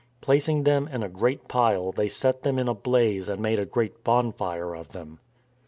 Placing them in a great pile they set them in a blaze and made a great bonfire of them.